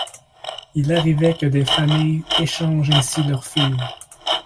Il arrivait que des familles échangent ainsi leurs filles.